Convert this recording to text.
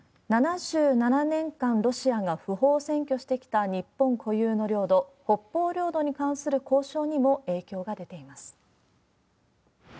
７７年間ロシアが不法占拠してきた日本固有の領土、北方領土に関する交渉にも影響が出ています。